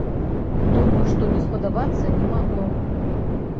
Думаю, што не спадабацца не магло.